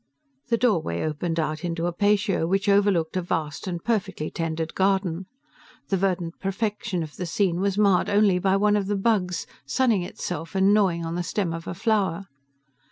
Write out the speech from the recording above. The doorway opened out into a patio which overlooked a vast and perfectly tended garden. The verdant perfection of the scene was marred only by one of the Bugs, sunning itself and gnawing on the stem of a flower.